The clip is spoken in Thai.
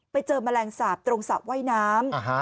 ไปเจอแมลงสาปตรงสาปว่ายน้ำ